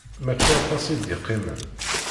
Mačči aṭas i d-iqqimen.